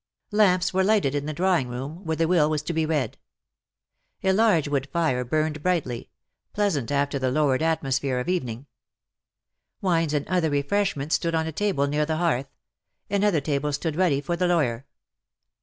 Lamps were lighted in the drawing room, where the will was to be read. A large wood fire burned brightly — pleasant after the lowered atmosphere of evening. Wines and other refreshments stood on a table near the hearth ; another table stood ready for the lawyer.